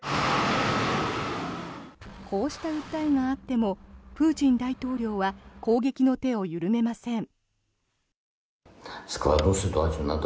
こうした訴えがあってもプーチン大統領は攻撃の手を緩めません。